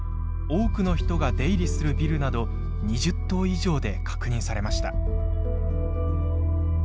多くの人が出入りするビルなど２０棟以上で確認されました。